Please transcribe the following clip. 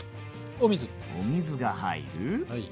お水が入る。